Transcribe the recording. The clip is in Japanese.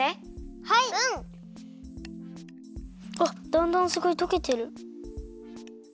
わっだんだんすごいとけてる。